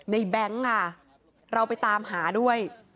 แบงค์ค่ะเราไปตามหาด้วย